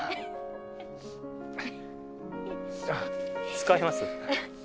使います？